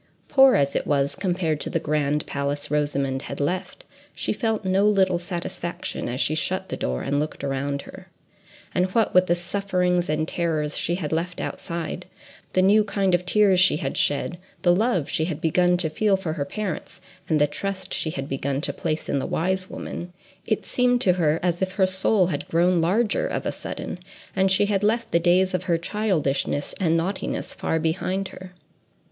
Poor as it was, compared to the grand place Rosamond had left, she felt no little satisfaction as she shut the door, and looked around her. And what with the sufferings and terrors she had left outside, the new kind of tears she had shed, the love she had begun to feel for her parents, and the trust she had begun to place in the wise woman, it seemed to her as if her soul had grown larger of a sudden, and she had left the days of her childishness and naughtiness far behind her.